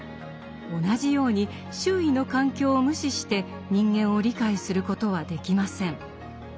同じように周囲の環境を無視して人間を理解することはできません。